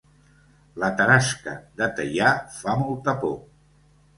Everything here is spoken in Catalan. La tarasca de Teià fa molta por